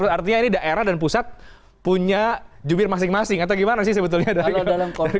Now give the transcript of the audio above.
artinya ini daerah dan pusat punya jubir masing masing atau gimana sih sebetulnya